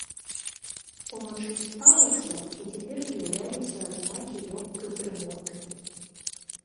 Уночы не спалася, і цяпер з'яўляліся адзнакі лёгкай дрымоты.